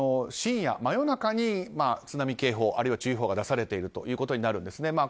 深夜、真夜中に津波警報あるいは注意報が出されているということになるんですね。